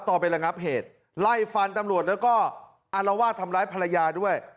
ตอนไประงับเหตุไล่ฟันตำรวจแล้วก็อารวาสทำร้ายภรรยาด้วย